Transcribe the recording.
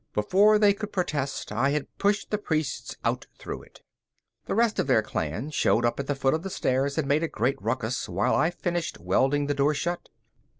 Before they could protest, I had pushed the priests out through it. The rest of their clan showed up at the foot of the stairs and made a great ruckus while I finished welding the door shut.